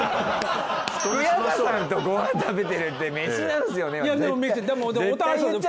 福山さんとご飯食べてるって飯なんすよねは絶対。